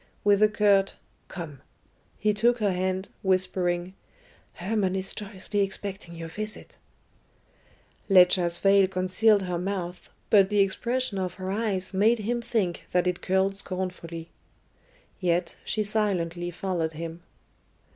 With a curt "Come," he took her hand, whispering, "Hermon is joyously expecting your visit." Ledscha's veil concealed her mouth, but the expression of her eyes made him think that it curled scornfully. Yet she silently followed him.